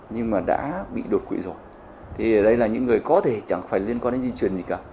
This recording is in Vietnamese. nhưng mà đã bị đột quỵ rồi thì ở đây là những người có thể chẳng phải liên quan đến di truyền gì cả